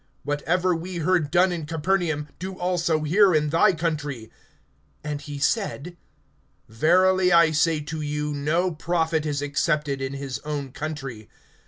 Whatever we heard done in Capernaum, do also here in thy country. (24)And he said: Verily I say to you, no prophet is accepted in his own country.